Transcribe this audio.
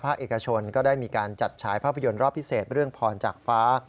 เอกชนก็ได้มีการจัดฉายภาพยนตร์รอบพิเศษเรื่องพรจากฟ้า